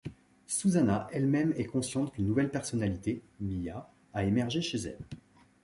Susannah elle-même est consciente qu'une nouvelle personnalité, Mia, a émergé chez elle.